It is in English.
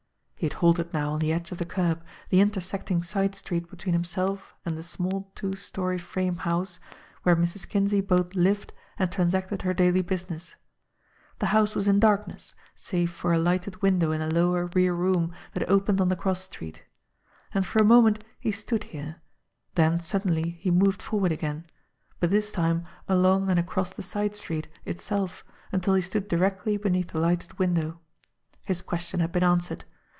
He had halted now on the edge of the curb, the intersecting side street between himself and the small, two story frame house, where Mrs. Kinsey both lived and transacted her daily business. The house was in darkness, save for a lighted window in a lower, rear room that opened on the cross street. And for a moment he stood here, then suddenly he moved forward again but this time along and across the side street itself until he stood directly beneath the lighted window. His question had been answered.